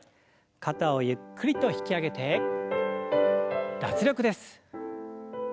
肩をゆっくりと引き上げて脱力です。